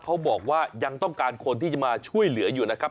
เขาบอกว่ายังต้องการคนที่จะมาช่วยเหลืออยู่นะครับ